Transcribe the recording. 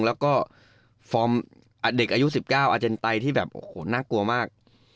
แล้วก็ฟอร์มเด็กอายุ๑๙อาเจนไตที่แบบโอ้โหน่ากลัวมาก